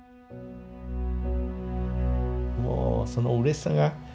もうそのうれしさが。